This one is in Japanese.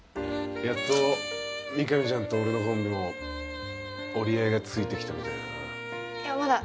やっと見上ちゃんと俺の方にも折り合いが付いてきたみたいだないやまだ